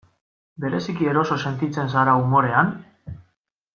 Bereziki eroso sentitzen zara umorean?